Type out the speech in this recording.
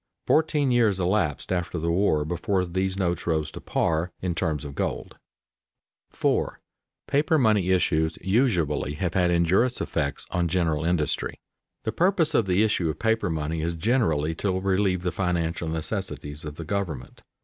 Fourteen years elapsed after the war before these notes rose to par, in terms of gold. [Sidenote: Evil effects of political money] 4. Paper money issues usually have had injurious effects on general industry. The purpose of the issue of paper money is generally to relieve the financial necessities of the government.